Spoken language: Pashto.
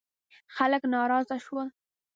خلک ناراضه شول.